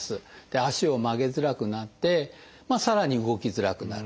足を曲げづらくなってさらに動きづらくなる。